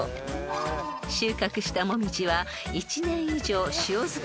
［収穫したモミジは］